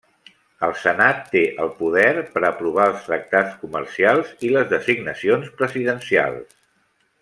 El Senat té el poder per a provar els tractats comercials i les designacions presidencials.